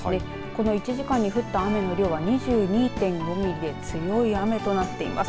この１時間に降った雨の量は２２．５ミリで強い雨となっています。